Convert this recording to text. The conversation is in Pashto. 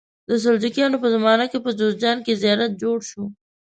د سلجوقیانو په زمانه کې په جوزجان کې زیارت جوړ شو.